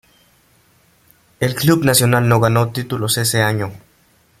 El club Nacional no ganó títulos ese año.